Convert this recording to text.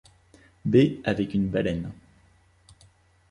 B avec une baleine